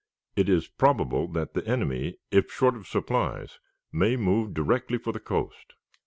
It is probable that the enemy, if short of supplies, may move directly for the coast.